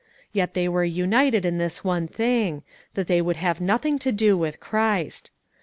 Yet they were united in this one thing, that they would have nothing to do with Christ.